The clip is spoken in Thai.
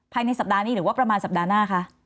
ภายในสัปดาห์นี้หรือว่าประมาณสัปดาห์หน้าคะ